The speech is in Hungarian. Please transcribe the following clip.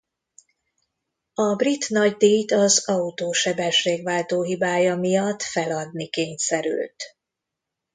A brit nagydíjt az autó sebességváltó-hibája miatt feladni kényszerült.